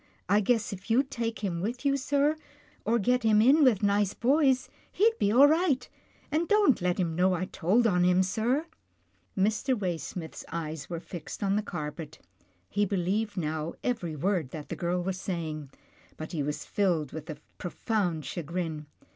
I guess if you'd take him with you, sir, or get him in with nice boys, he'd be all right — and don't let him know I told on him, sir." Mr. Waysmith's eyes were fixed on the carpet. He believed now every word that the girl was say ing, but he was filled with a profound chagrin.